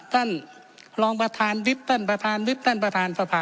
ตั้นรองประธานวิทย์ตั้นประธานวิทย์ตั้นประทานสภา